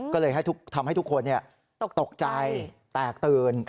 ก็เลยทำให้ทุกคนตกใจแตกตื่น